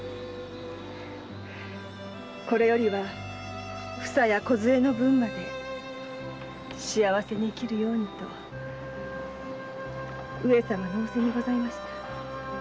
これよりはふさやこずえの分まで幸せに生きるようにと上様の仰せにございました。